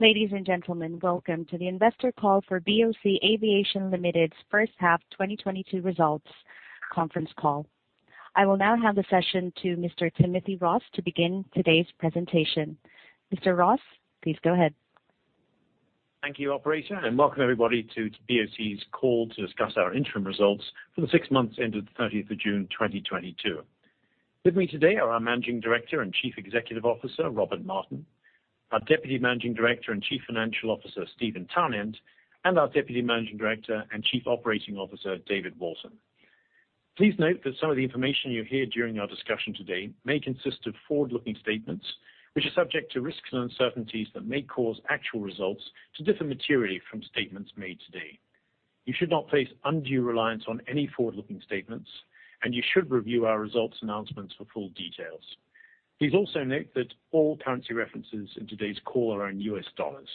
Ladies and gentlemen, welcome to the investor call for BOC Aviation Limited's first half 2022 results conference call. I will now hand the session to Mr. Timothy Ross to begin today's presentation. Mr. Ross, please go ahead. Thank you, operator, and welcome everybody to BOC's call to discuss our interim results for the six months ended the 30th of June, 2022. With me today are our Managing Director and Chief Executive Officer, Robert Martin, our Deputy Managing Director and Chief Financial Officer, Steven Townend, and our Deputy Managing Director and Chief Operating Officer, David Walton. Please note that some of the information you hear during our discussion today may consist of forward-looking statements, which are subject to risks and uncertainties that may cause actual results to differ materially from statements made today. You should not place undue reliance on any forward-looking statements, and you should review our results announcements for full details. Please also note that all currency references in today's call are in U.S. dollars.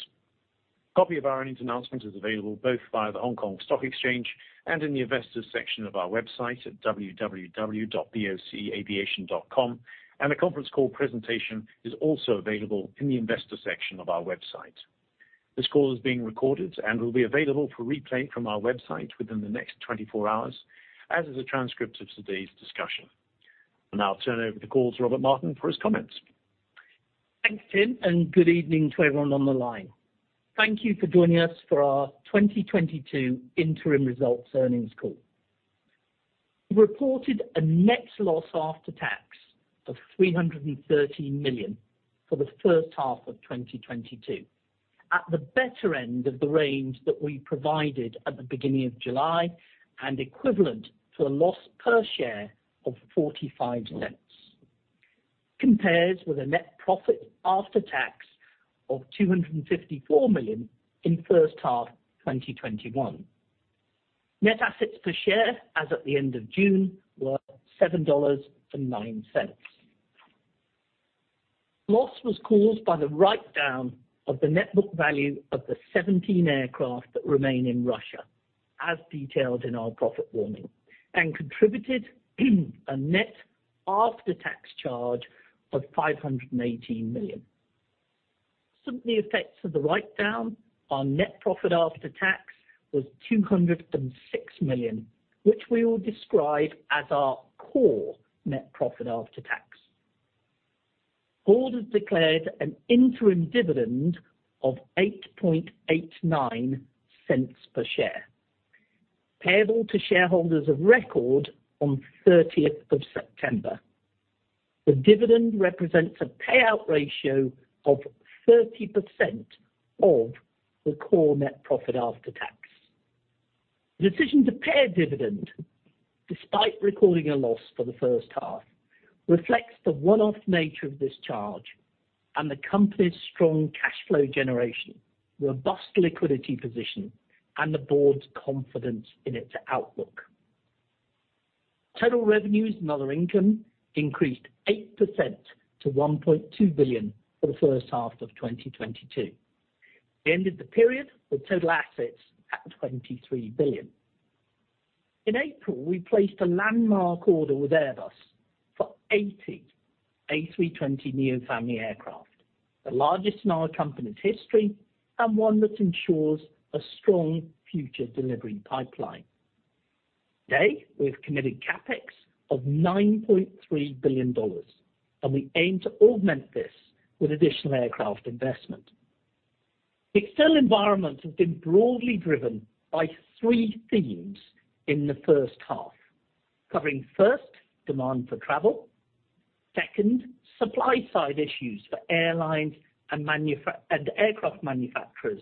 A copy of our earnings announcement is available both via the Hong Kong Stock Exchange and in the investors section of our website at www.bocaviation.com. A conference call presentation is also available in the investor section of our website. This call is being recorded and will be available for replay from our website within the next 24 hours, as is a transcript of today's discussion. I'll now turn over the call to Robert Martin for his comments. Thanks, Tim, and good evening to everyone on the line. Thank you for joining us for our 2022 interim results earnings call. We reported a net loss after tax of $313 million for the first half of 2022, at the better end of the range that we provided at the beginning of July, and equivalent to a loss per share of $0.45. This compares with a net profit after tax of $254 million in first half 2021. Net assets per share as at the end of June were $7.09. Loss was caused by the write-down of the net book value of the 17 aircraft that remain in Russia, as detailed in our profit warning, and contributed a net after-tax charge of $518 million. Without the effects of the write-down, our net profit after tax was $206 million, which we will describe as our core net profit after tax. The Board has declared an interim dividend of $0.0889 per share, payable to shareholders of record on the 30th of September. The dividend represents a payout ratio of 30% of the core net profit after tax. The decision to pay a dividend, despite recording a loss for the first half, reflects the one-off nature of this charge and the company's strong cash flow generation, robust liquidity position, and the board's confidence in its outlook. Total revenues and other income increased 8%-$1.2 billion for the first half of 2022. We ended the period with total assets at $23 billion. In April, we placed a landmark order with Airbus for 80 A320neo family aircraft, the largest in our company's history, and one that ensures a strong future delivery pipeline. Today, we've committed CapEx of $9.3 billion, and we aim to augment this with additional aircraft investment. External environment has been broadly driven by three themes in the first half, covering first, demand for travel, second, supply-side issues for airlines and aircraft manufacturers,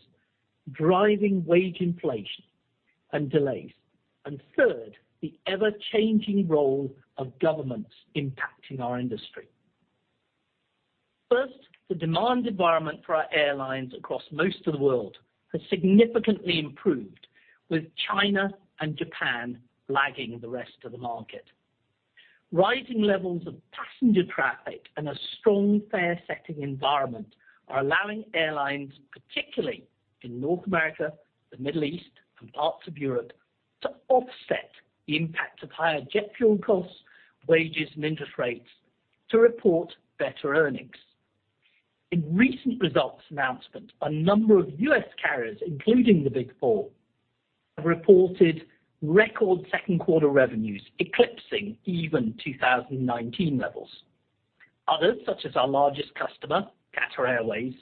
driving wage inflation and delays, and third, the ever-changing role of governments impacting our industry. First, the demand environment for our airlines across most of the world has significantly improved, with China and Japan lagging the rest of the market. Rising levels of passenger traffic and a strong fare setting environment are allowing airlines, particularly in North America, the Middle East, and parts of Europe, to offset the impact of higher jet fuel costs, wages, and interest rates to report better earnings. In recent results announcement, a number of U.S. carriers, including the Big Four, have reported record second quarter revenues, eclipsing even 2019 levels. Others, such as our largest customer, Qatar Airways,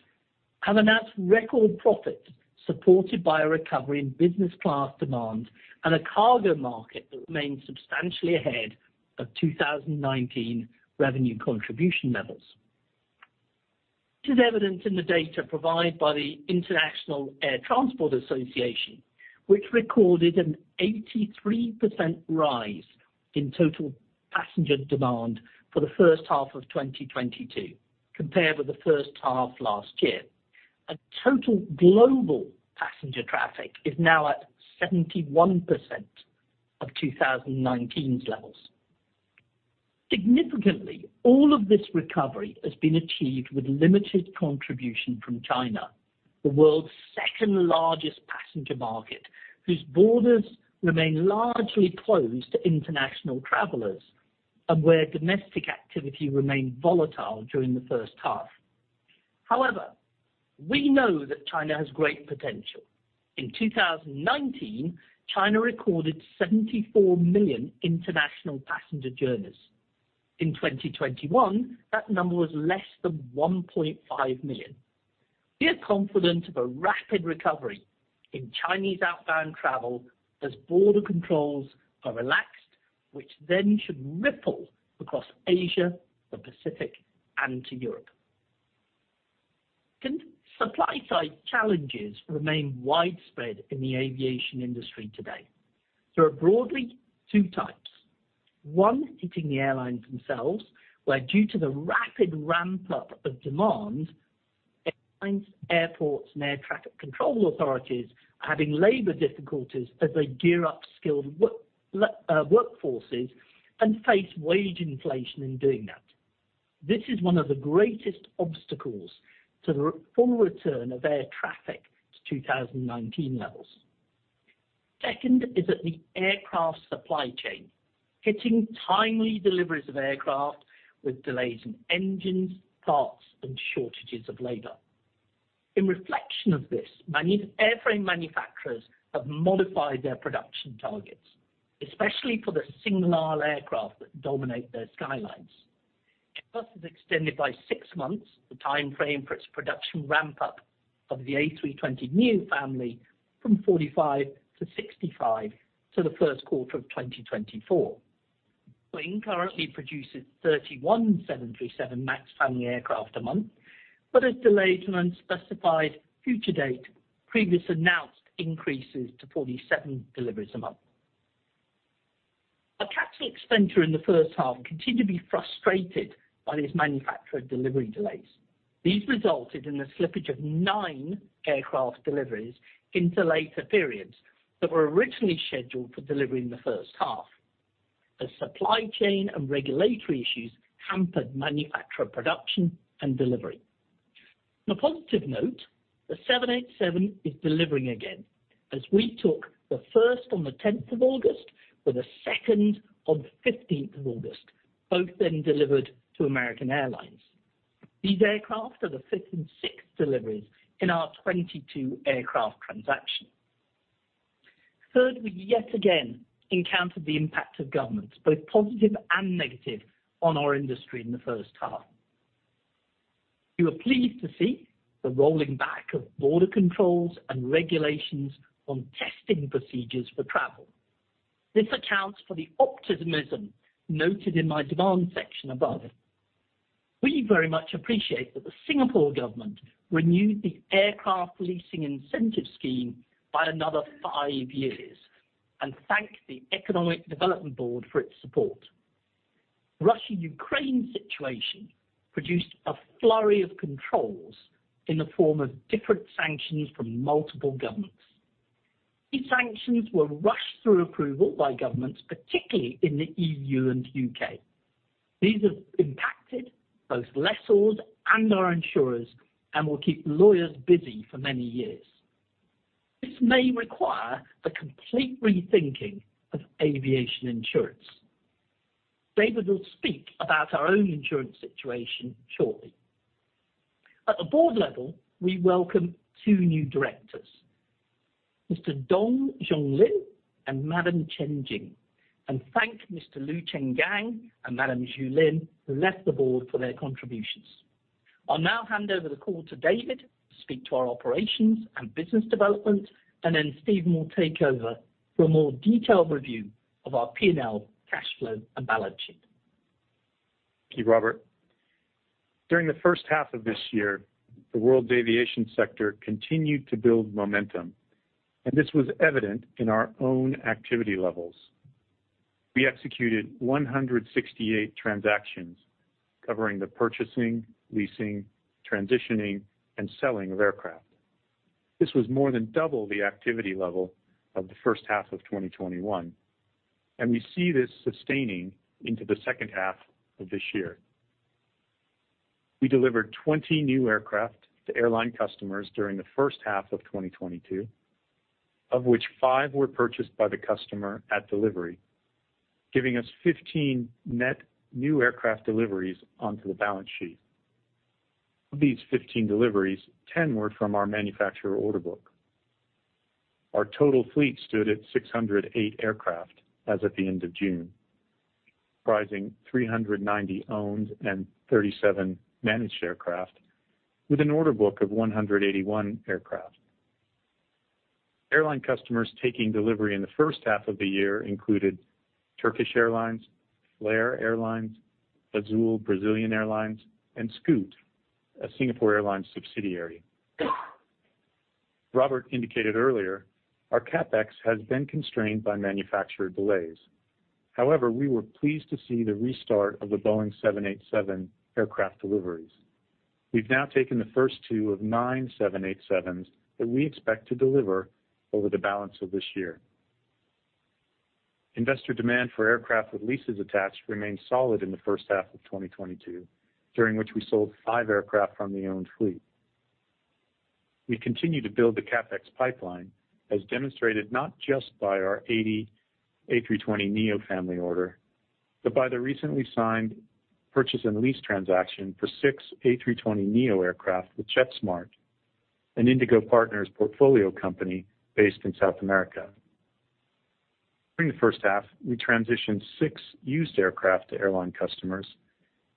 have announced record profits supported by a recovery in business class demand and a cargo market that remains substantially ahead of 2019 revenue contribution levels. This is evident in the data provided by the International Air Transport Association, which recorded an 83% rise in total passenger demand for the first half of 2022 compared with the first half last year. Global passenger traffic is now at 71% of 2019 levels. Significantly, all of this recovery has been achieved with limited contribution from China, the world's second-largest passenger market, whose borders remain largely closed to international travelers. Where domestic activity remained volatile during the first half. However, we know that China has great potential. In 2019, China recorded 74 million international passenger journeys. In 2021, that number was less than 1.5 million. We are confident of a rapid recovery in Chinese outbound travel as border controls are relaxed, which then should ripple across Asia, the Pacific, and to Europe. Second, supply-side challenges remain widespread in the aviation industry today. There are broadly two types. One hitting the airlines themselves, where due to the rapid ramp-up of demand, airlines, airports, and air traffic control authorities are having labor difficulties as they gear up skilled workforces and face wage inflation in doing that. This is one of the greatest obstacles to the full return of air traffic to 2019 levels. Second is that the aircraft supply chain, getting timely deliveries of aircraft with delays in engines, parts, and shortages of labor. In reflection of this, many airframe manufacturers have modified their production targets, especially for the single-aisle aircraft that dominate their skylines. Airbus has extended by 6 months the timeframe for its production ramp-up of the A320neo family from 45-65 to the first quarter of 2024. Boeing currently produces 31 737 MAX family aircraft a month, but has delayed to an unspecified future date the previously announced increases to 47 deliveries a month. Our capital expenditure in the first half continued to be frustrated by these manufacturer delivery delays. These resulted in the slippage of 9 aircraft deliveries into later periods that were originally scheduled for delivery in the first half, as supply chain and regulatory issues hampered manufacturer production and delivery. On a positive note, the 787 is delivering again, as we took the first on the 10th of August, with the second on the 15th of August, both then delivered to American Airlines. These aircraft are the fifth and sixth deliveries in our 22 aircraft transaction. Third, we yet again encountered the impact of governments, both positive and negative, on our industry in the first half. We were pleased to see the rolling back of border controls and regulations on testing procedures for travel. This accounts for the optimism noted in my demand section above. We very much appreciate that the Singapore government renewed the Aircraft Leasing Incentive Scheme by another five years, and thank the Economic Development Board for its support. Russia-Ukraine situation produced a flurry of controls in the form of different sanctions from multiple governments. These sanctions were rushed through approval by governments, particularly in the EU and UK. These have impacted both lessors and our insurers and will keep lawyers busy for many years. This may require a complete rethinking of aviation insurance. David will speak about our own insurance situation shortly. At the board level, we welcome two new directors, Mr. Dong Zonglin and Madam Chen Jing, and thank Mr. Liu Chenggang and Madam Zhu Lin, who left the board, for their contributions. I'll now hand over the call to David to speak to our operations and business development, and then Steve will take over for a more detailed review of our P&L, cash flow, and balance sheet. Thank you, Robert. During the first half of this year, the world's aviation sector continued to build momentum, and this was evident in our own activity levels. We executed 168 transactions covering the purchasing, leasing, transitioning, and selling of aircraft. This was more than double the activity level of the first half of 2021, and we see this sustaining into the second half of this year. We delivered 20 new aircraft to airline customers during the first half of 2022, of which 5 were purchased by the customer at delivery, giving us 15 net new aircraft deliveries onto the balance sheet. Of these 15 deliveries, 10 were from our manufacturer order book. Our total fleet stood at 608 aircraft as at the end of June, comprising 390 owned and 37 managed aircraft, with an order book of 181 aircraft. Airline customers taking delivery in the first half of the year included Turkish Airlines, Flair Airlines, Azul Brazilian Airlines, and Scoot, a Singapore Airlines subsidiary. Robert indicated earlier our CapEx has been constrained by manufacturer delays. However, we were pleased to see the restart of the Boeing 787 aircraft deliveries. We've now taken the first 2 of nine 787s that we expect to deliver over the balance of this year. Investor demand for aircraft with leases attached remained solid in the first half of 2022, during which we sold five aircraft from the owned fleet. We continue to build the CapEx pipeline as demonstrated not just by our 80 A320neo family order, but by the recently signed purchase and lease transaction for six A320neo aircraft with JetSMART, an Indigo Partners portfolio company based in South America. During the first half, we transitioned six used aircraft to airline customers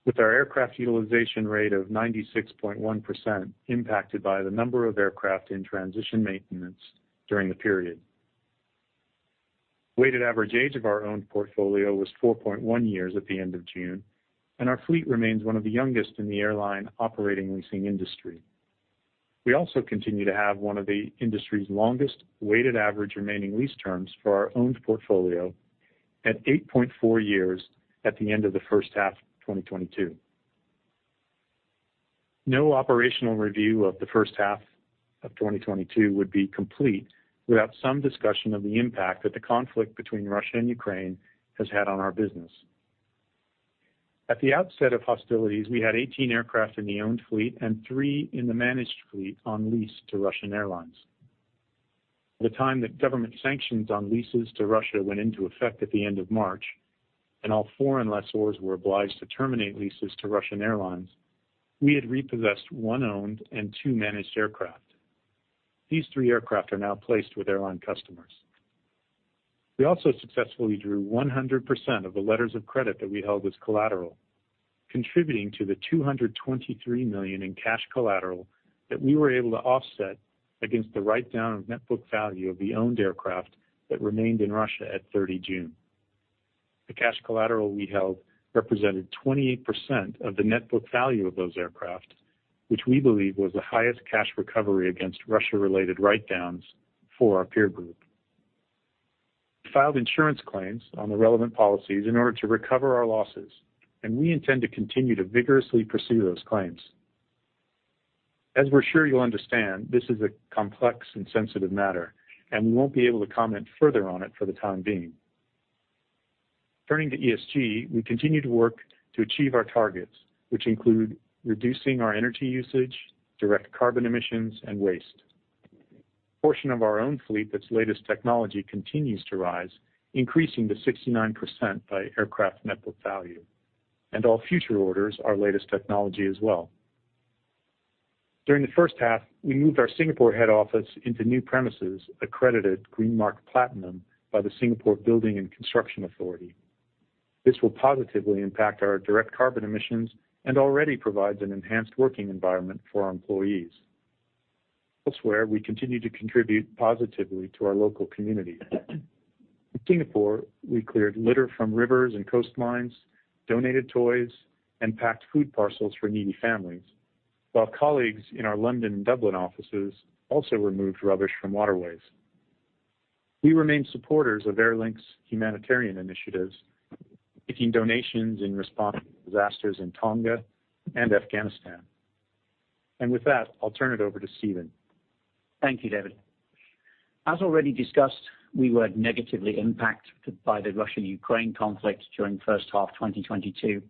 with our aircraft utilization rate of 96.1% impacted by the number of aircraft in transition maintenance during the period. Weighted average age of our own portfolio was 4.1 years at the end of June, and our fleet remains one of the youngest in the aircraft operating leasing industry. We also continue to have one of the industry's longest weighted average remaining lease terms for our owned portfolio at 8.4 years at the end of the first half of 2022. No operational review of the first half of 2022 would be complete without some discussion of the impact that the conflict between Russia and Ukraine has had on our business. At the outset of hostilities, we had 18 aircraft in the owned fleet and 3 in the managed fleet on lease to Russian airlines. By the time that government sanctions on leases to Russia went into effect at the end of March, and all foreign lessors were obliged to terminate leases to Russian airlines, we had repossessed 1 owned and 2 managed aircraft. These 3 aircraft are now placed with airline customers. We also successfully drew 100% of the letters of credit that we held as collateral, contributing to the $223 million in cash collateral that we were able to offset against the write-down of net book value of the owned aircraft that remained in Russia at 30 June. The cash collateral we held represented 28% of the net book value of those aircraft, which we believe was the highest cash recovery against Russia-related write-downs for our peer group. We filed insurance claims on the relevant policies in order to recover our losses, and we intend to continue to vigorously pursue those claims. As we're sure you'll understand, this is a complex and sensitive matter, and we won't be able to comment further on it for the time being. Turning to ESG, we continue to work to achieve our targets, which include reducing our energy usage, direct carbon emissions, and waste. The portion of our own fleet that's latest technology continues to rise, increasing to 69% by aircraft net book value, and all future orders are latest technology as well. During the first half, we moved our Singapore head office into new premises, accredited Green Mark Platinum by the Building and Construction Authority. This will positively impact our direct carbon emissions and already provides an enhanced working environment for our employees. Elsewhere, we continue to contribute positively to our local community. In Singapore, we cleared litter from rivers and coastlines, donated toys, and packed food parcels for needy families, while colleagues in our London and Dublin offices also removed rubbish from waterways. We remain supporters of Airlink's humanitarian initiatives, making donations in response to disasters in Tonga and Afghanistan. With that, I'll turn it over to Steven. Thank you, David. As already discussed, we were negatively impacted by the Russia-Ukraine conflict during the first half 2022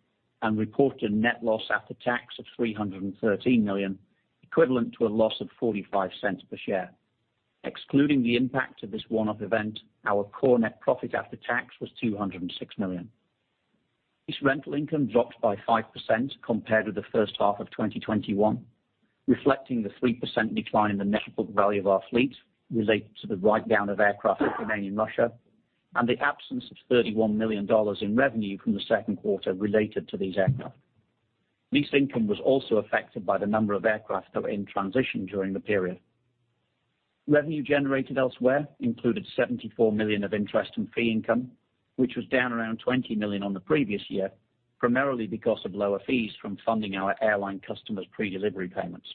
and reported net loss after tax of $313 million, equivalent to a loss of $0.45 per share. Excluding the impact of this one-off event, our core net profit after tax was $206 million. Lease rental income dropped by 5% compared to the first half of 2021, reflecting the 3% decline in the net book value of our fleet related to the write-down of aircraft that remain in Russia and the absence of $31 million in revenue from the second quarter related to these aircraft. Lease income was also affected by the number of aircraft that were in transition during the period. Revenue generated elsewhere included $74 million of interest and fee income, which was down around $20 million on the previous year, primarily because of lower fees from funding our airline customers' predelivery payments.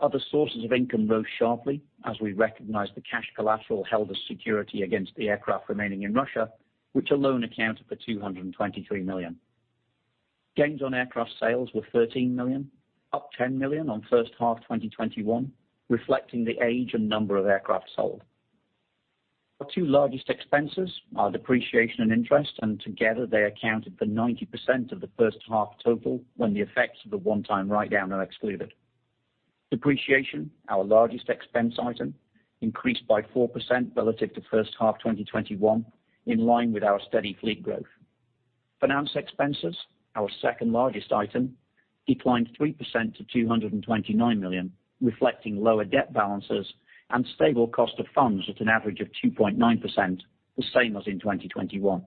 Other sources of income rose sharply as we recognized the cash collateral held as security against the aircraft remaining in Russia, which alone accounted for $223 million. Gains on aircraft sales were $13 million, up $10 million on first half 2021, reflecting the age and number of aircraft sold. Our two largest expenses are depreciation and interest, and together they accounted for 90% of the first half total when the effects of the one-time write-down are excluded. Depreciation, our largest expense item, increased by 4% relative to first half 2021, in line with our steady fleet growth. Finance expenses, our second-largest item, declined 3%-$229 million, reflecting lower debt balances and stable cost of funds at an average of 2.9%, the same as in 2021.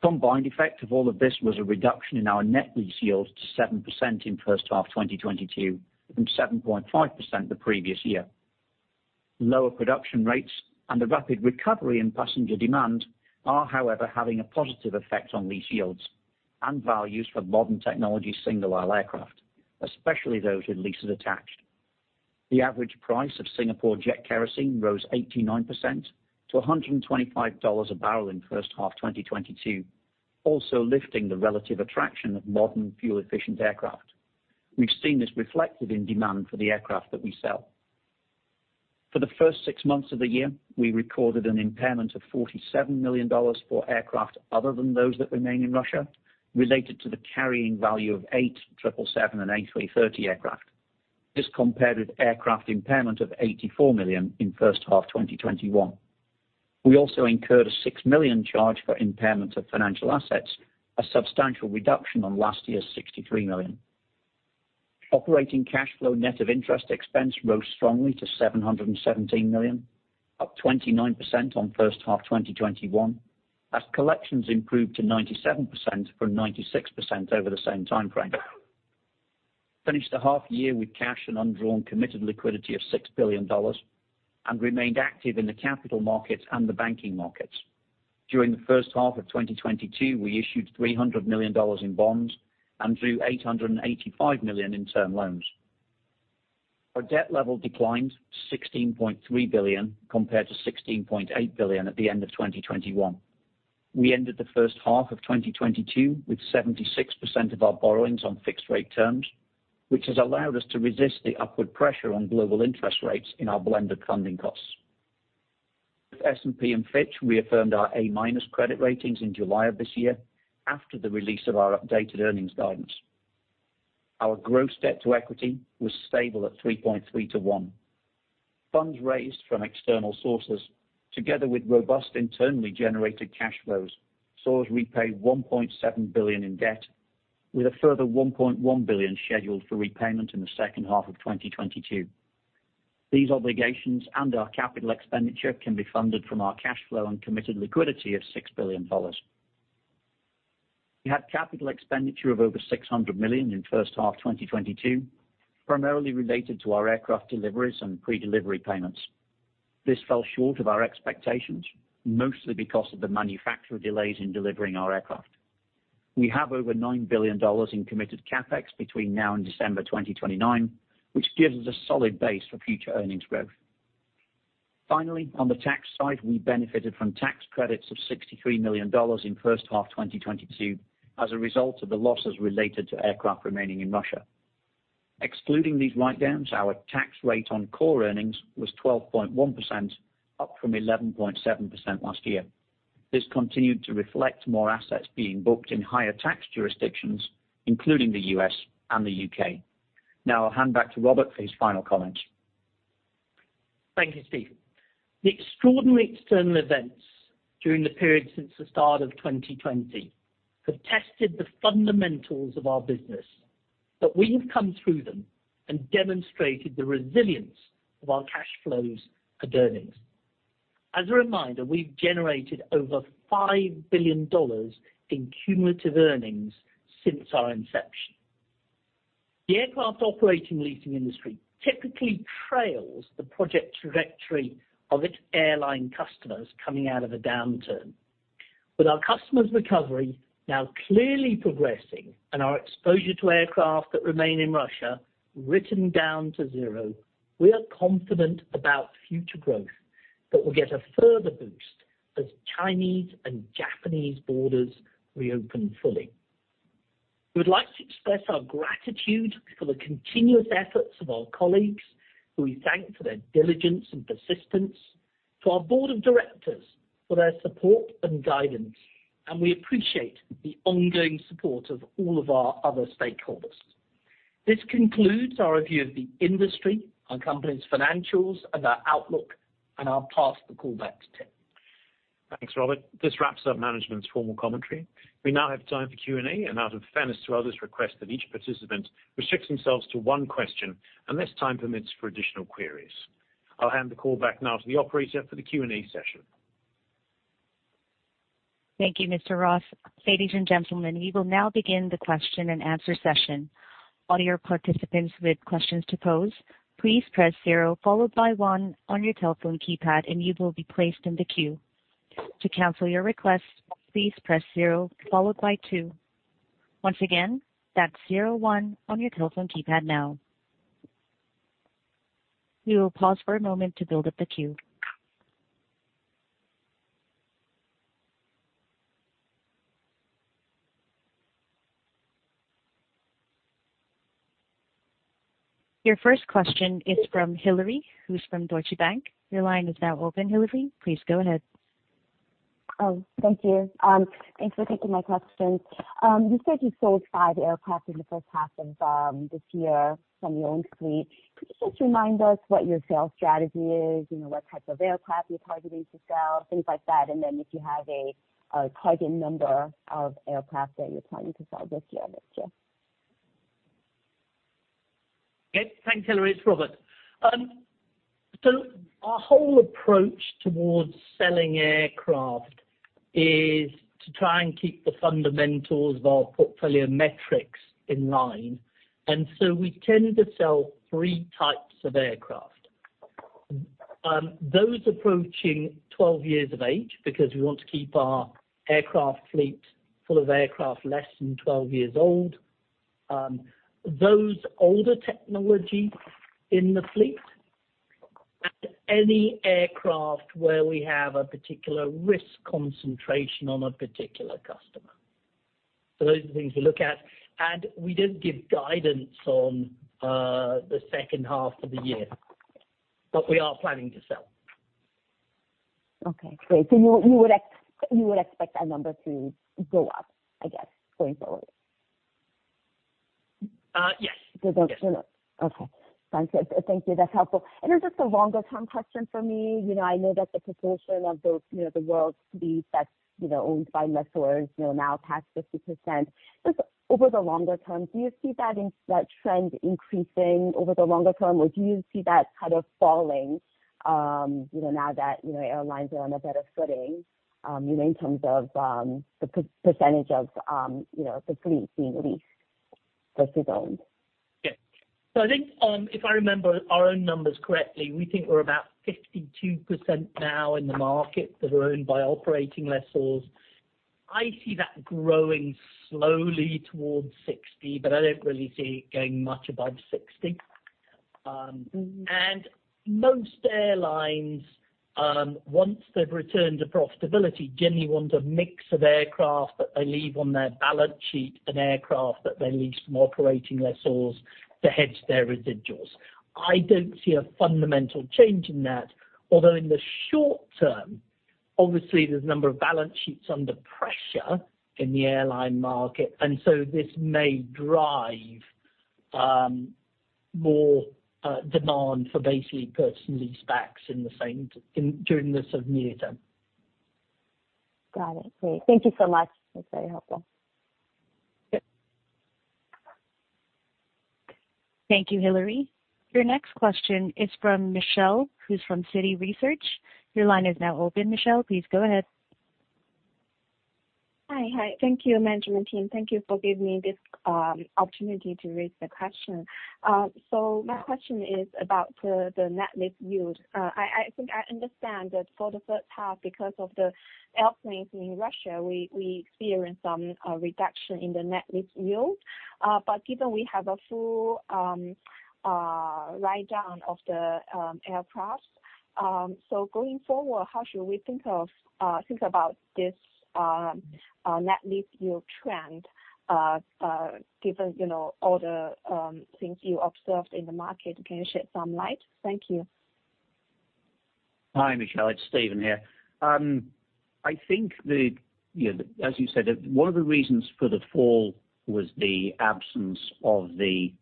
Combined effect of all of this was a reduction in our net lease yields to 7% in the first half of 2022 from 7.5% the previous year. Lower production rates and the rapid recovery in passenger demand are, however, having a positive effect on lease yields and values for modern technology single-aisle aircraft, especially those with leases attached. The average price of Singapore jet kerosene rose 89%-$125 a barrel in the first half 2022, also lifting the relative attraction of modern fuel-efficient aircraft. We've seen this reflected in demand for the aircraft that we sell. For the first six months of the year, we recorded an impairment of $47 million for aircraft other than those that remain in Russia, related to the carrying value of eight 777 and A330 aircraft. This compared with aircraft impairment of $84 million in first half 2021. We also incurred a $6 million charge for impairment of financial assets, a substantial reduction on last year's $63 million. Operating cash flow net of interest expense rose strongly to $717 million, up 29% on first half 2021, as collections improved to 97% from 96% over the same time frame. Finished the half year with cash and undrawn committed liquidity of $6 billion and remained active in the capital markets and the banking markets. During the first half of 2022, we issued $300 million in bonds and drew $885 million in term loans. Our debt level declined $16.3 billion compared to $16.8 billion at the end of 2021. We ended the first half of 2022 with 76% of our borrowings on fixed rate terms, which has allowed us to resist the upward pressure on global interest rates in our blended funding costs. With S&P and Fitch, we affirmed our A- credit ratings in July of this year after the release of our updated earnings guidance. Our gross debt to equity was stable at 3.3-1. Funds raised from external sources, together with robust internally generated cash flows, saw us repay $1.7 billion in debt with a further $1.1 billion scheduled for repayment in the second half of 2022. These obligations and our capital expenditure can be funded from our cash flow and committed liquidity of $6 billion. We had capital expenditure of over $600 million in first half 2022, primarily related to our aircraft deliveries and predelivery payments. This fell short of our expectations, mostly because of the manufacturer delays in delivering our aircraft. We have over $9 billion in committed CapEx between now and December 2029, which gives us a solid base for future earnings growth. Finally, on the tax side, we benefited from tax credits of $63 million in first half 2022 as a result of the losses related to aircraft remaining in Russia. Excluding these write-downs, our tax rate on core earnings was 12.1%, up from 11.7% last year. This continued to reflect more assets being booked in higher tax jurisdictions, including the U.S. and the U.K. Now I'll hand back to Robert for his final comments. Thank you, Steve. The extraordinary external events during the period since the start of 2020 have tested the fundamentals of our business, but we have come through them and demonstrated the resilience of our cash flows and earnings. As a reminder, we've generated over $5 billion in cumulative earnings since our inception. The aircraft operating leasing industry typically trails the projected trajectory of its airline customers coming out of a downturn. With our customers' recovery now clearly progressing and our exposure to aircraft that remain in Russia written down to zero, we are confident about future growth that will get a further boost as Chinese and Japanese borders reopen fully. We would like to express our gratitude for the continuous efforts of our colleagues, who we thank for their diligence and persistence, to our board of directors for their support and guidance, and we appreciate the ongoing support of all of our other stakeholders. This concludes our review of the industry, our company's financials, and our outlook, and I'll pass the call back to Tim. Thanks, Robert. This wraps up management's formal commentary. We now have time for Q&A. Out of fairness to others, request that each participant restricts themselves to one question unless time permits for additional queries. I'll hand the call back now to the operator for the Q&A session. Thank you, Mr. Ross. Ladies and gentlemen, we will now begin the question-and-answer session. All your participants with questions to pose, please press zero followed by one on your telephone keypad and you will be placed in the queue. To cancel your request, please press zero followed by two. Once again, that's zero one on your telephone keypad now. We will pause for a moment to build up the queue. Your first question is from Hillary, who's from Deutsche Bank. Your line is now open, Hillary. Please go ahead. Oh, thank you. Thanks for taking my question. You said you sold 5 aircraft in the first half of this year from your own fleet. Could you just remind us what your sales strategy is? You know, what types of aircraft you're targeting to sell, things like that. If you have a target number of aircraft that you're planning to sell this year, next year? Yes. Thanks, Hillary. It's Robert. Our whole approach towards selling aircraft is to try and keep the fundamentals of our portfolio metrics in line. We tend to sell three types of aircraft. Those approaching 12 years of age, because we want to keep our aircraft fleet full of aircraft less than 12 years old. Those older technology in the fleet and any aircraft where we have a particular risk concentration on a particular customer. Those are the things we look at, and we don't give guidance on the second half of the year. We are planning to sell. Okay, great. You would expect that number to go up, I guess, going forward? Yes. Yes. Okay. Thank you. Thank you. That's helpful. Then just a longer term question for me. You know, I know that the proportion of those, you know, the world's fleet that's, you know, owned by lessors, you know, now past 50%. Just over the longer term, do you see that in that trend increasing over the longer term, or do you see that kind of falling, you know, now that, you know, airlines are on a better footing, you know, in terms of, the percentage of, you know, the fleet being leased versus owned? Yeah. I think, if I remember our own numbers correctly, we think we're about 52% now in the market that are owned by operating lessors. I see that growing slowly towards 60, but I don't really see it going much above 60. Most airlines, once they've returned to profitability, generally want a mix of aircraft that they leave on their balance sheet and aircraft that they lease from operating lessors to hedge their residuals. I don't see a fundamental change in that, although in the short term, obviously there's a number of balance sheets under pressure in the airline market, and this may drive more demand for basically sale-leasebacks in the same vein, during this sort of near term. Got it. Great. Thank you so much. That's very helpful. Yep. Thank you, Hillary. Your next question is from Michelle, who's from Citi Research. Your line is now open, Michelle. Please go ahead. Hi. Thank you, management team. Thank you for giving me this opportunity to raise the question. My question is about the net lease yield. I think I understand that for the first half, because of the airplanes in Russia, we experienced some reduction in the net lease yield. Given we have a full write down of the aircraft, going forward, how should we think about this net lease yield trend, given you know all the things you observed in the market? Can you shed some light? Thank you. Hi, Michelle. It's Steven here. I think the, you know, as you said, one of the reasons for the fall was the absence of the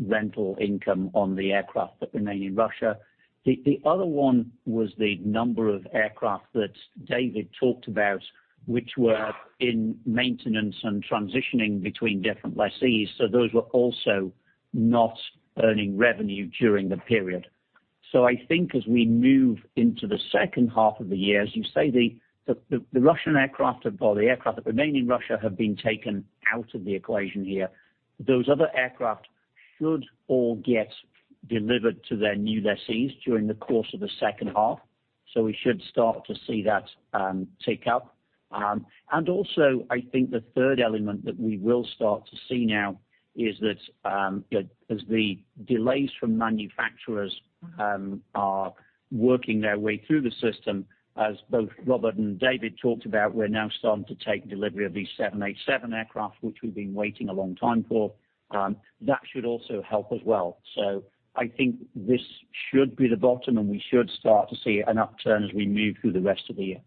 rental income on the aircraft that remain in Russia. The other one was the number of aircraft that David talked about, which were in maintenance and transitioning between different lessees. Those were also not earning revenue during the period. I think as we move into the second half of the year, as you say, the Russian aircraft or the aircraft that remain in Russia have been taken out of the equation here. Those other aircraft should all get delivered to their new lessees during the course of the second half. We should start to see that tick up. Also I think the third element that we will start to see now is that, as the delays from manufacturers are working their way through the system, as both Robert and David talked about, we're now starting to take delivery of these 787 aircraft, which we've been waiting a long time for. That should also help as well. I think this should be the bottom, and we should start to see an upturn as we move through the rest of the year.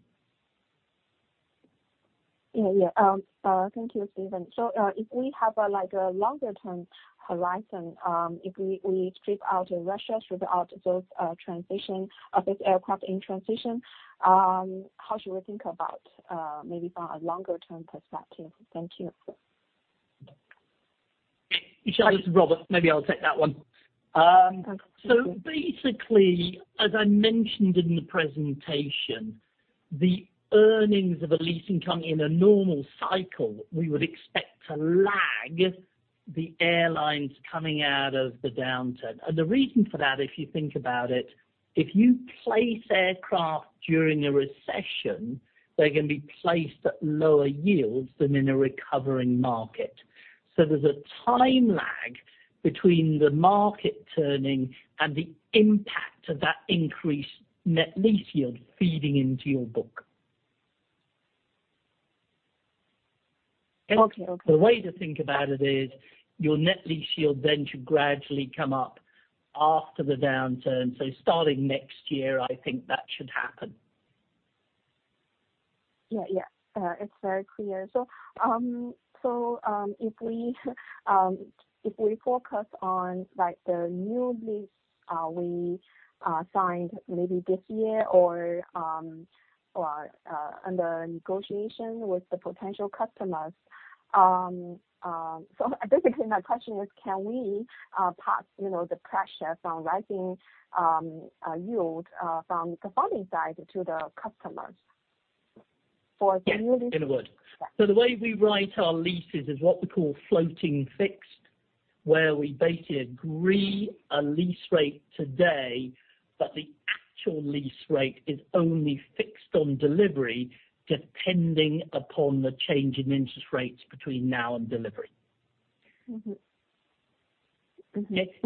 Thank you, Steven. If we have, like, a longer term horizon, if we strip out Russia, strip out those aircraft in transition, how should we think about maybe from a longer term perspective? Thank you. Michelle, this is Robert. Maybe I'll take that one. Basically, as I mentioned in the presentation, the earnings of a leasing company in a normal cycle, we would expect to lag the airlines coming out of the downturn. The reason for that, if you think about it, if you place aircraft during a recession, they're gonna be placed at lower yields than in a recovering market. There's a time lag between the market turning and the impact of that increased net lease yield feeding into your book. Okay. Okay. The way to think about it is your net lease yield then should gradually come up after the downturn. Starting next year, I think that should happen. Yeah. Yeah. It's very clear. If we focus on, like, the new lease we signed maybe this year or under negotiation with the potential customers. Basically my question is can we pass, you know, the pressure from rising yield from the funding side to the customers for Yes, in a word. Yeah. The way we write our leases is what we call floating fixed, where we basically agree a lease rate today, but the actual lease rate is only fixed on delivery, depending upon the change in interest rates between now and delivery. Mm-hmm.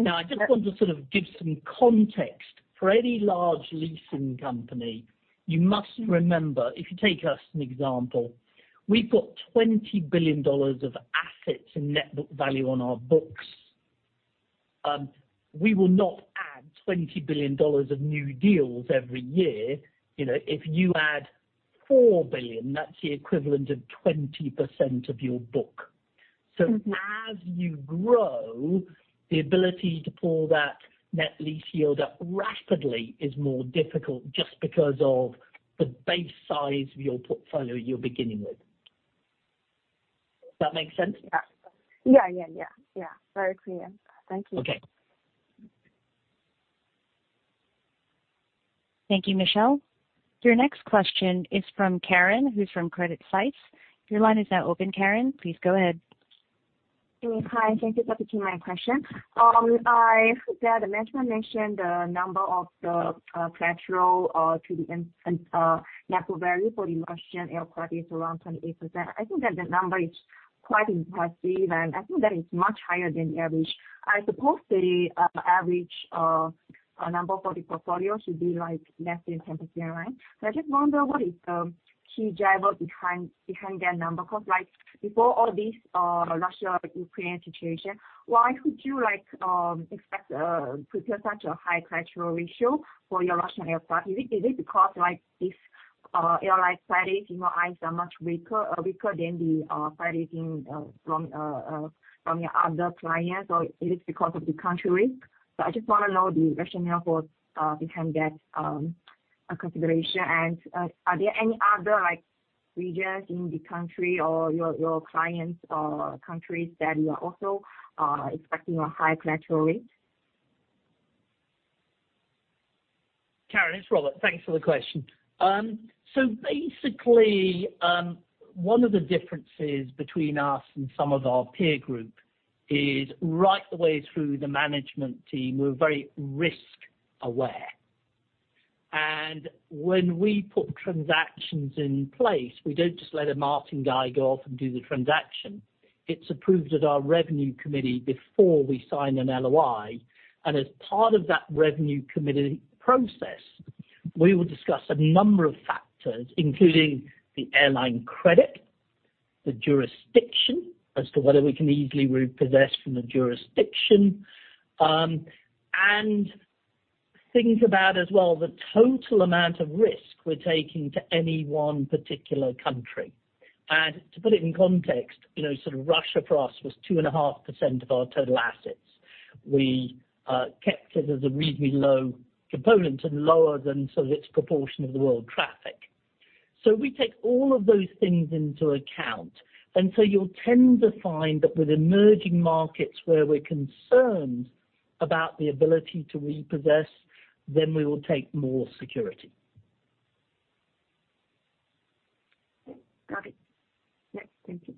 Now I just want to sort of give some context. For any large leasing company, you must remember, if you take us as an example, we've got $20 billion of assets and net book value on our books. We will not add $20 billion of new deals every year. You know, if you add $4 billion, that's the equivalent of 20% of your book. Mm-hmm. As you grow, the ability to pull that net lease yield up rapidly is more difficult just because of the base size of your portfolio you're beginning with. Does that make sense? Yeah. Very clear. Thank you. Okay. Thank you, Michelle. Your next question is from Karen, who's from Credit Suisse. Your line is now open, Karen. Please go ahead. Hi, thank you for taking my question. I heard that the management mentioned the collateral to the net book value for the Russian aircraft is around 28%. I think that the number is quite impressive, and I think that is much higher than the average. I suppose the average number for the portfolio should be like less than 10%, right? I just wonder what is the key driver behind that number? Because like, before all this Russia and Ukraine situation, why would you prepare such a high collateral ratio for your Russian aircraft? Is it because like these airline credits in your eyes are much weaker than the credits from your other clients, or is it because of the country risk? I just wanna know the rationale behind that consideration. Are there any other like regions in the country or your clients or countries that you are also expecting a high collateral rate? Karen, it's Robert. Thanks for the question. Basically, one of the differences between us and some of our peer group is right the way through the management team, we're very risk aware. When we put transactions in place, we don't just let a marketing guy go off and do the transaction. It's approved at our revenue committee before we sign an LOI. As part of that revenue committee process, we will discuss a number of factors, including the airline credit, the jurisdiction as to whether we can easily repossess from the jurisdiction, and things about as well, the total amount of risk we're taking to any one particular country. To put it in context, you know, sort of Russia for us was 2.5% of our total assets. We kept it as a reasonably low component and lower than sort of its proportion of the world traffic. We take all of those things into account. You'll tend to find that with emerging markets where we're concerned about the ability to repossess, then we will take more security. Got it. Yes. Thank you.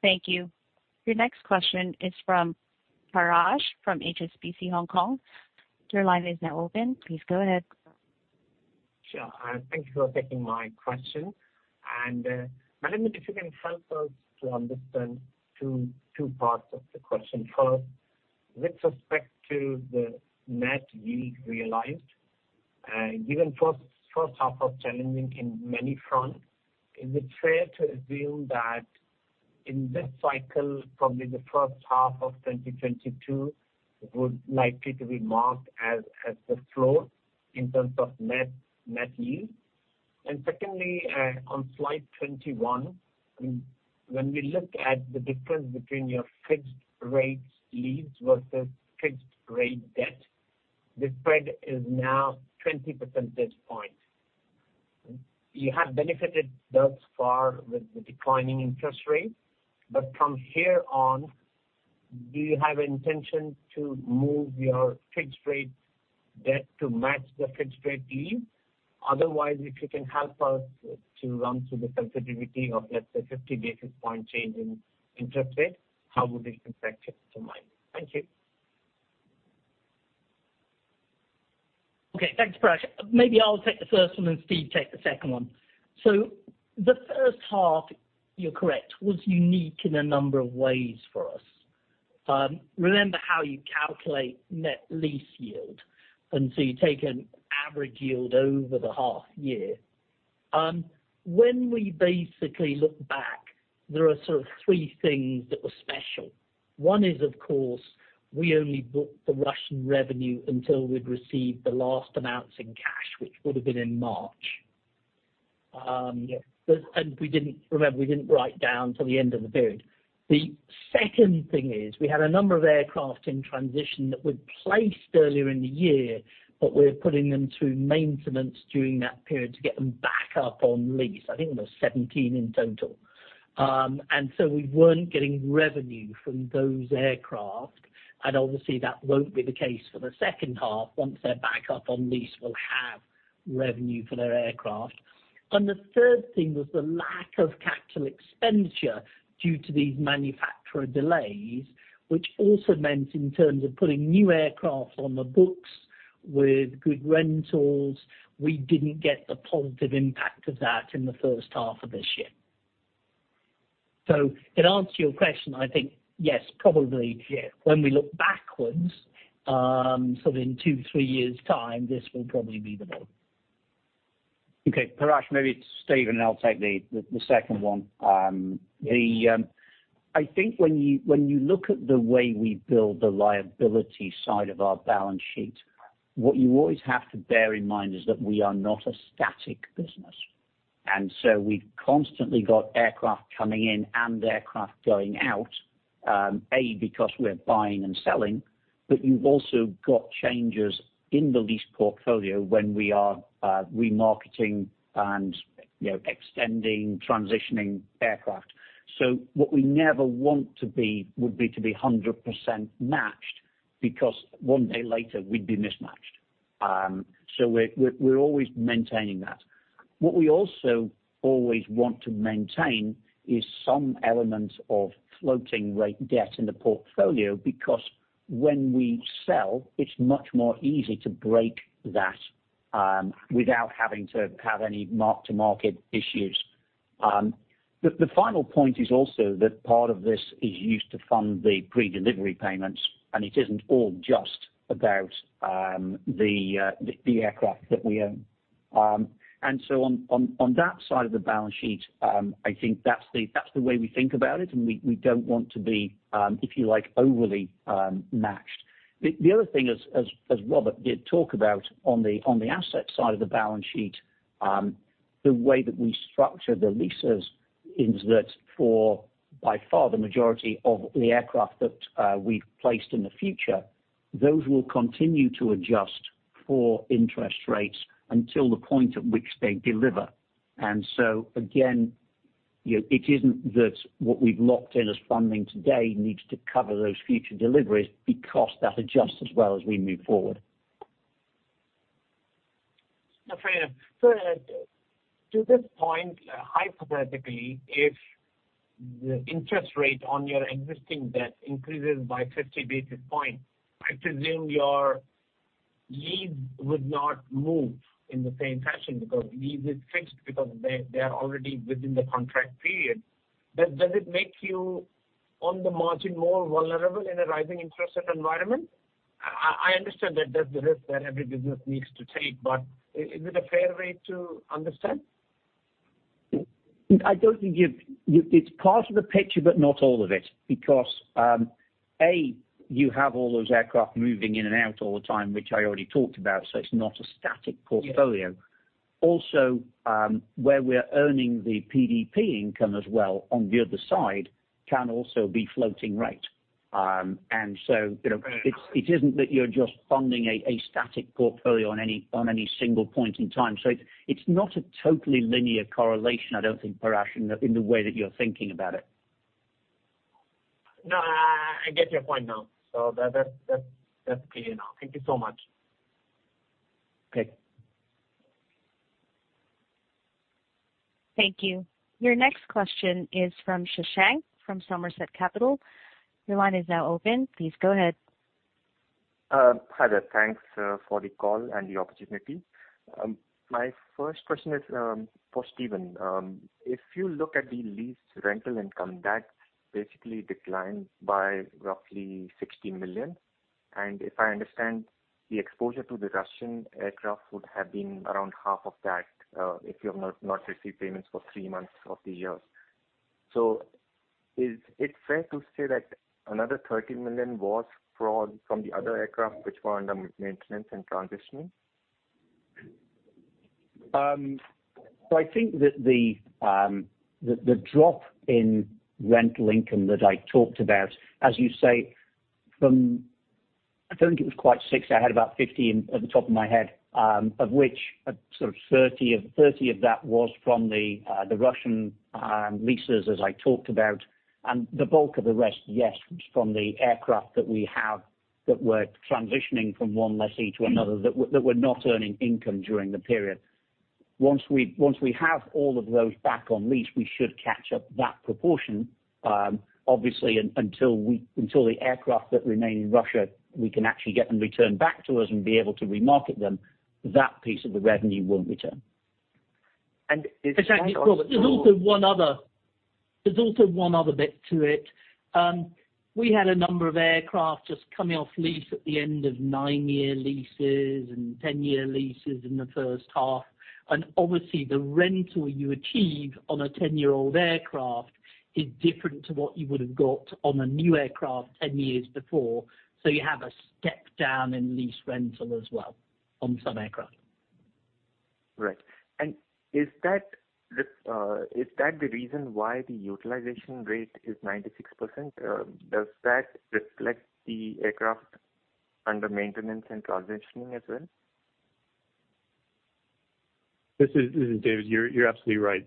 Thank you. Your next question is from Parash from HSBC Hong Kong. Your line is now open. Please go ahead. Sure. Thank you for taking my question. Madam, if you can help us to understand two parts of the question. First, with respect to the net yield realized, given first half was challenging in many fronts, is it fair to assume that in this cycle, probably the first half of 2022 would likely to be marked as the floor in terms of net yield? Secondly, on slide 21, when we look at the difference between your fixed rate yields versus fixed rate debt, the spread is now 20 percentage points. You have benefited thus far with the declining interest rate. From here on, do you have intention to move your fixed rate debt to match the fixed rate yield? Otherwise, if you can help us to run through the sensitivity of, let's say, 50 basis point change in interest rate, how would this impact it to me? Thank you. Okay. Thanks, Parash. Maybe I'll take the first one and Steven take the second one. The first half, you're correct, was unique in a number of ways for us. Remember how you calculate net lease yield, and so you take an average yield over the half year. When we basically look back, there are sort of three things that were special. One is, of course, we only booked the Russian revenue until we'd received the last amounts in cash, which would have been in March. But we didn't write down till the end of the period. The second thing is we had a number of aircraft in transition that were placed earlier in the year, but we're putting them through maintenance during that period to get them back up on lease. I think it was 17 in total. We weren't getting revenue from those aircraft. Obviously that won't be the case for the second half. Once they're back up on lease, we'll have revenue for their aircraft. The third thing was the lack of capital expenditure due to these manufacturer delays, which also meant in terms of putting new aircraft on the books. With good rentals, we didn't get the positive impact of that in the first half of this year. To answer your question, I think yes, probably when we look backwards, sort of in two, three years' time, this will probably be the norm. Okay. Parash, maybe it's Steven, and I'll take the second one. I think when you look at the way we build the liability side of our balance sheet, what you always have to bear in mind is that we are not a static business. We've constantly got aircraft coming in and aircraft going out, because we're buying and selling, but you've also got changes in the lease portfolio when we are remarketing and, you know, extending, transitioning aircraft. What we never want to be would be to be 100% matched because one day later we'd be mismatched. We're always maintaining that. What we also always want to maintain is some element of floating rate debt in the portfolio because when we sell, it's much more easy to break that without having to have any mark-to-market issues. The final point is also that part of this is used to fund the predelivery payments, and it isn't all just about the aircraft that we own. On that side of the balance sheet, I think that's the way we think about it, and we don't want to be, if you like, overly matched. The other thing as Robert did talk about on the asset side of the balance sheet, the way that we structure the leases is that for by far the majority of the aircraft that we've placed in the future, those will continue to adjust for interest rates until the point at which they deliver. Again, you know, it isn't that what we've locked in as funding today needs to cover those future deliveries because that adjusts as well as we move forward. No, fair. To this point, hypothetically, if the interest rate on your existing debt increases by 50 basis points, I presume your leases would not move in the same fashion because lease is fixed because they are already within the contract period. Does it make you on the margin more vulnerable in a rising interest rate environment? I understand that that's the risk that every business needs to take, but is it a fair way to understand? It's part of the picture but not all of it because, A, you have all those aircraft moving in and out all the time, which I already talked about, so it's not a static portfolio. Yes. Also, where we're earning the PDP income as well on the other side can also be floating rate, you know- Fair It isn't that you're just funding a static portfolio on any single point in time. It's not a totally linear correlation, I don't think, Parash, in the way that you're thinking about it. No, I get your point now. That's clear now. Thank you so much. Okay. Thank you. Your next question is from Shashank from Somerset Capital. Your line is now open. Please go ahead. Hi there. Thanks for the call and the opportunity. My first question is for Steven. If you look at the lease rental income, that basically declined by roughly $60 million. If I understand, the exposure to the Russian aircraft would have been around half of that, if you have not received payments for three months of the year. Is it fair to say that another $30 million was from the other aircraft which were under maintenance and transitioning? I think that the drop in rental income that I talked about, as you say, I don't think it was quite $6, I had about $50 in, at the top of my head, of which sort of 30 of that was from the Russian leases as I talked about. The bulk of the rest, yes, was from the aircraft that we have that were transitioning from one lessee to another that were not earning income during the period. Once we have all of those back on lease, we should catch up that proportion. Obviously, until we can actually get the aircraft that remain in Russia returned back to us and be able to remarket them, that piece of the revenue won't return. Exactly. There's also one other bit to it. We had a number of aircraft just coming off lease at the end of 9-year leases and 10-year leases in the first half. Obviously, the rental you achieve on a 10-year-old aircraft is different to what you would have got on a new aircraft 10 years before, so you have a step down in lease rental as well on some aircraft. Right. Is that the reason why the utilization rate is 96%? Does that reflect the aircraft under maintenance and transitioning as well? This is David. You're absolutely right.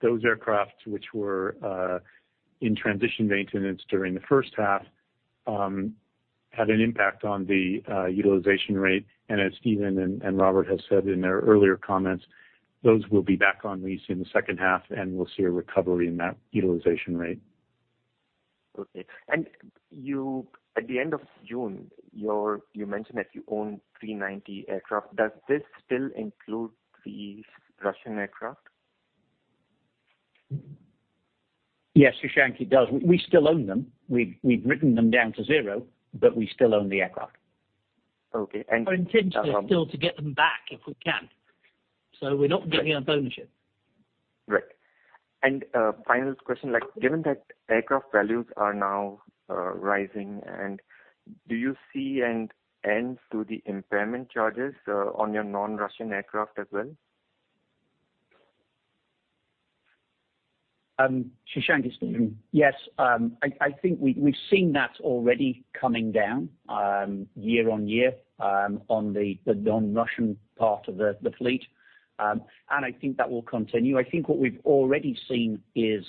Those aircraft which were in transition maintenance during the first half had an impact on the utilization rate. As Steven and Robert have said in their earlier comments, those will be back on lease in the second half, and we'll see a recovery in that utilization rate. Okay. At the end of June, you mentioned that you own 390 aircraft. Does this still include the Russian aircraft? Yes, Shashank, it does. We still own them. We've written them down to zero, but we still own the aircraft. Okay. Our intent is still to get them back if we can. We're not giving up ownership. Right. Final question, like, given that aircraft values are now rising, and do you see an end to the impairment charges on your non-Russian aircraft as well? Shashank, it's Steven. Yes. I think we've seen that already coming down year-over-year on the non-Russian part of the fleet. I think that will continue. I think what we've already seen is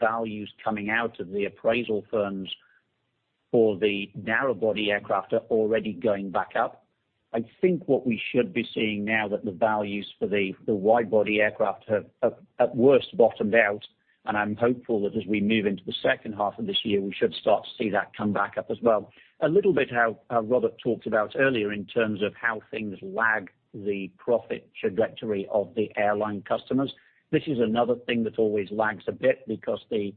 values coming out of the appraisal firms for the narrow-body aircraft are already going back up. I think what we should be seeing now that the values for the wide-body aircraft have at worst bottomed out, and I'm hopeful that as we move into the second half of this year, we should start to see that come back up as well. A little bit how Robert talked about earlier in terms of how things lag the profit trajectory of the airline customers. This is another thing that always lags a bit because the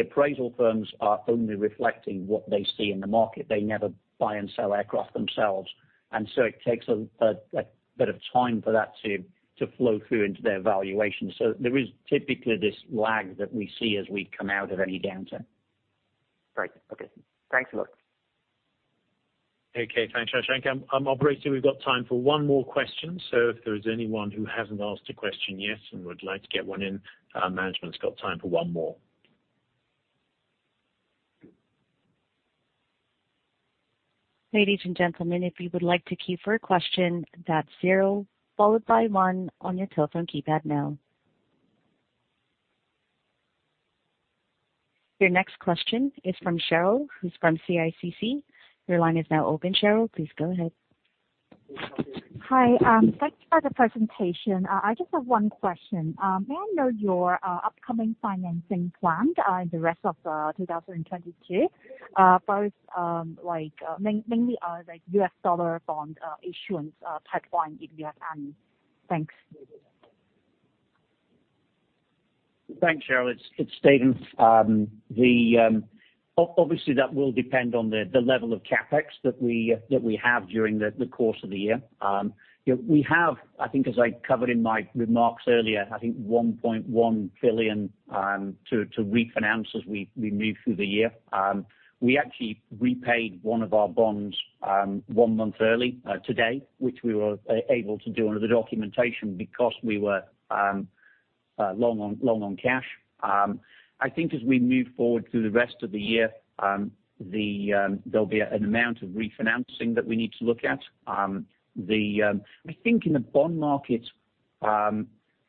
appraisal firms are only reflecting what they see in the market. They never buy and sell aircraft themselves. It takes a bit of time for that to flow through into their valuation. There is typically this lag that we see as we come out of any downturn. Great. Okay. Thanks a lot. Okay. Thanks, Shashank. Operator, we've got time for one more question, so if there's anyone who hasn't asked a question yet and would like to get one in, management's got time for one more. Ladies and gentlemen, if you would like to queue for a question, that's 0 followed by 1 on your telephone keypad now. Your next question is from Cheryl, who's from CICC. Your line is now open, Cheryl. Please go ahead. Hi. Thanks for the presentation. I just have one question. May I know your upcoming financing plan, the rest of 2022, both like mainly like U.S. dollar bond issuance pipeline, if you have any? Thanks. Thanks, Cheryl. It's Steven. Obviously that will depend on the level of CapEx that we have during the course of the year. You know, we have, I think as I covered in my remarks earlier, I think $1.1 billion to refinance as we move through the year. We actually repaid one of our bonds one month early today, which we were able to do under the documentation because we were long on cash. I think as we move forward through the rest of the year, there'll be an amount of refinancing that we need to look at. I think in the bond market,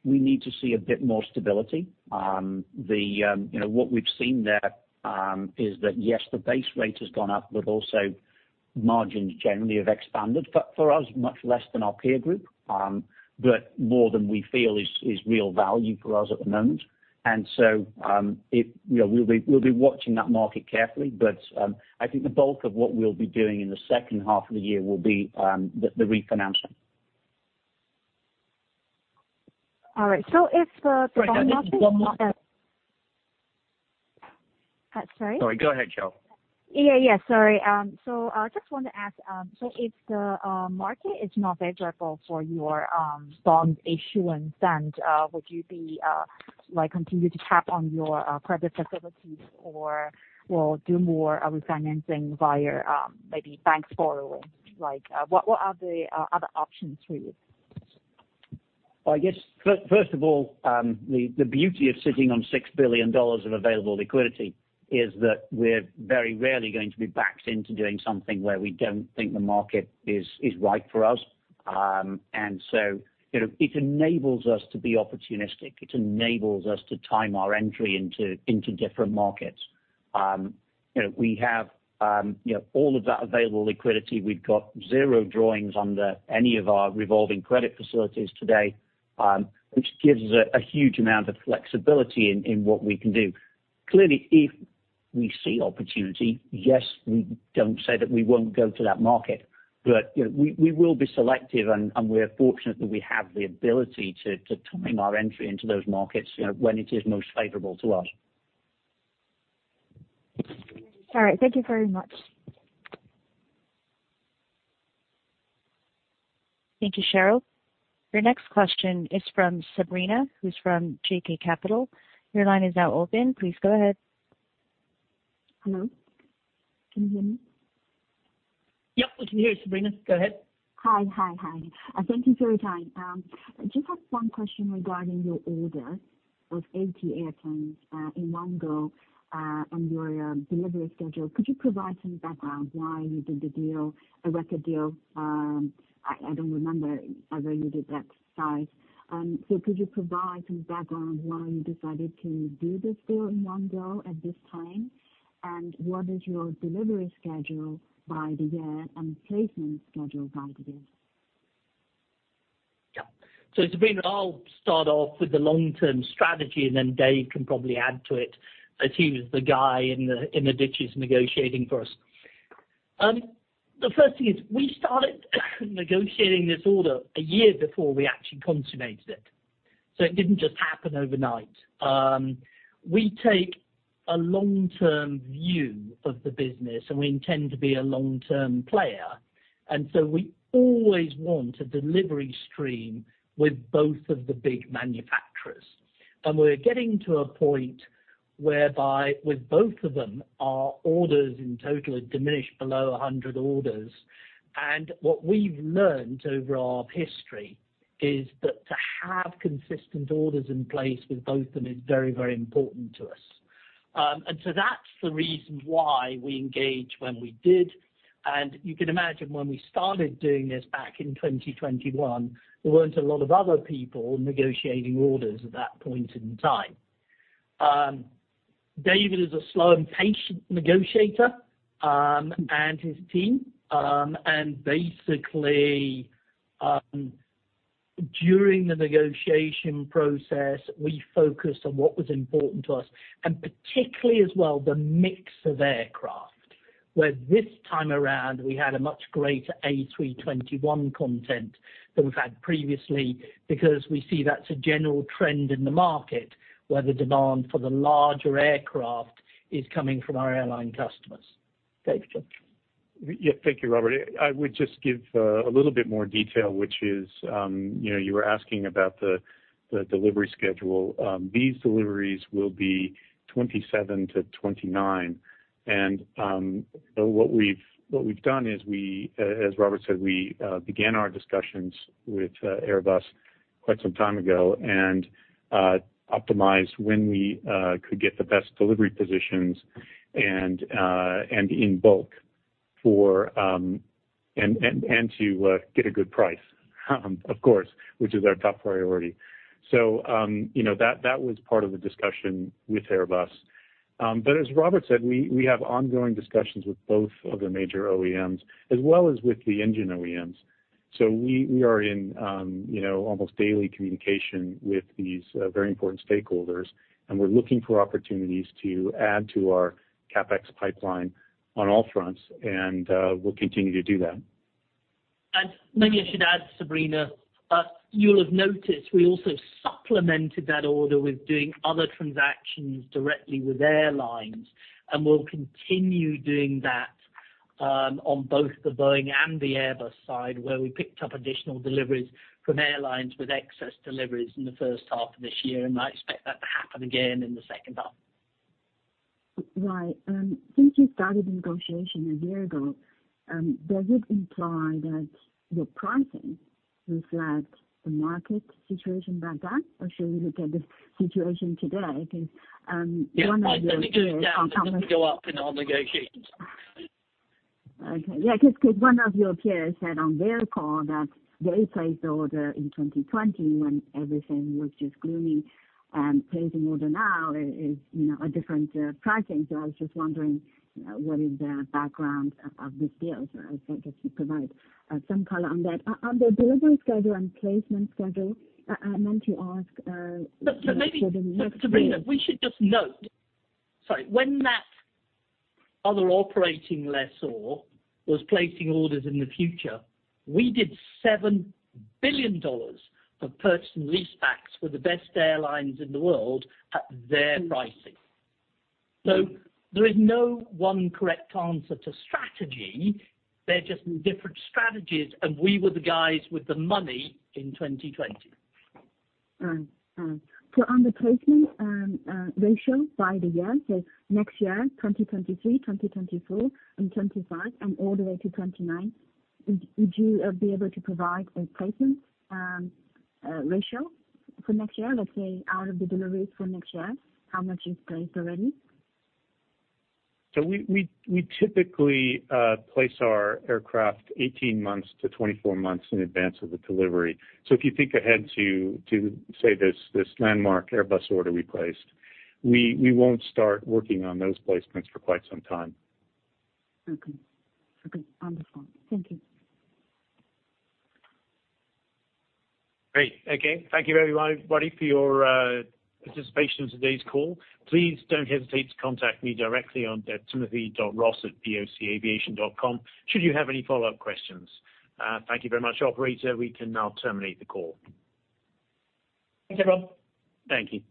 we need to see a bit more stability. You know, what we've seen there is that, yes, the base rate has gone up, but also margins generally have expanded. For us much less than our peer group, but more than we feel is real value for us at the moment. You know, we'll be watching that market carefully, but I think the bulk of what we'll be doing in the second half of the year will be the refinancing. All right. If the bond market- Sorry. One more. Sorry. Sorry. Go ahead, Cheryl. Yeah, sorry. Just wanted to ask, so if the market is not favorable for your bond issuance, then would you be like continue to tap on your credit facilities or do more refinancing via maybe banks borrowing? Like, what are the other options for you? I guess first of all, the beauty of sitting on $6 billion of available liquidity is that we're very rarely going to be backed into doing something where we don't think the market is right for us. You know, it enables us to be opportunistic. It enables us to time our entry into different markets. You know, we have all of that available liquidity. We've got 0 drawings under any of our revolving credit facilities today, which gives us a huge amount of flexibility in what we can do. Clearly, if we see opportunity, yes, we don't say that we won't go to that market. You know, we will be selective, and we're fortunate that we have the ability to time our entry into those markets, you know, when it is most favorable to us. All right. Thank you very much. Thank you, Cheryl. Your next question is from Sabrina, who's from JK Capital. Your line is now open. Please go ahead. Hello? Can you hear me? Yep. We can hear you, Sabrina. Go ahead. Hi. Thank you for your time. I just have one question regarding your order of A320neo airplanes in one go, and your delivery schedule. Could you provide some background why you did the deal, a record deal? I don't remember ever you did that size. Could you provide some background why you decided to do this deal in one go at this time? What is your delivery schedule by the year and placement schedule by the year? Sabrina, I'll start off with the long-term strategy, and then Dave can probably add to it as he was the guy in the ditches negotiating for us. The first thing is we started negotiating this order a year before we actually consummated it. It didn't just happen overnight. We take a long-term view of the business, and we intend to be a long-term player. We always want a delivery stream with both of the big manufacturers. We're getting to a point whereby with both of them, our orders in total have diminished below 100 orders. What we've learned over our history is that to have consistent orders in place with both of them is very, very important to us. That's the reason why we engaged when we did. You can imagine when we started doing this back in 2021, there weren't a lot of other people negotiating orders at that point in time. David is a slow and patient negotiator, and his team. Basically, during the negotiation process, we focused on what was important to us, and particularly as well, the mix of aircraft, where this time around, we had a much greater A321 content than we've had previously because we see that's a general trend in the market, where the demand for the larger aircraft is coming from our airline customers. Dave, go on. Yeah. Thank you, Robert. I would just give a little bit more detail, which is, you know, you were asking about the delivery schedule. These deliveries will be 2027-2029. What we've done is we, as Robert said, we began our discussions with Airbus quite some time ago and optimized when we could get the best delivery positions and in bulk and to get a good price, of course, which is our top priority. You know, that was part of the discussion with Airbus. But as Robert said, we have ongoing discussions with both of the major OEMs as well as with the engine OEMs.We are in, you know, almost daily communication with these very important stakeholders, and we're looking for opportunities to add to our CapEx pipeline on all fronts, and we'll continue to do that. Maybe I should add, Sabrina, you'll have noticed we also supplemented that order with doing other transactions directly with airlines, and we'll continue doing that, on both the Boeing and the Airbus side, where we picked up additional deliveries from airlines with excess deliveries in the first half of this year. I expect that to happen again in the second half. Right. Since you started negotiation a year ago, does it imply that your pricing reflects the market situation back then? Or should we look at the situation today? Because, Yeah. They go down, and then they go up in our negotiations. Okay. Yeah, 'cause one of your peers said on their call that they placed the order in 2020 when everything was just gloomy. Placing order now is, you know, a different pricing. I was just wondering what is the background of this deal. I was hoping if you provide some color on that. On the delivery schedule and placement schedule, I meant to ask. Sabrina, we should just note. Sorry. When that other operating lessor was placing orders in the future, we did $7 billion of purchase and leasebacks with the best airlines in the world at their pricing. There is no one correct answer to strategy. They are just different strategies, and we were the guys with the money in 2020. All right. On the placement ratio by the year, next year, 2023, 2024 and 2025 and all the way to 2029, would you be able to provide a placement ratio for next year? Let's say out of the deliveries for next year, how much is placed already? We typically place our aircraft 18-24 months in advance of the delivery. If you think ahead to say this landmark Airbus order we placed, we won't start working on those placements for quite some time. Okay. Wonderful. Thank you. Great. Okay. Thank you very much, everybody, for your participation in today's call. Please don't hesitate to contact me directly on Timothy.Ross@bocaviation.com should you have any follow-up questions. Thank you very much, operator. We can now terminate the call. Thanks, everyone. Thank you.